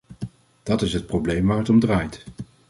Dat is het probleem waar het om draait.